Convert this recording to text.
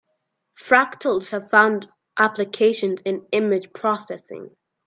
Fractals have found applications in image processing.